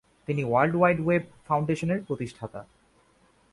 তিনি world wide web ফাউন্ডেশনের প্রতিষ্ঠাতা।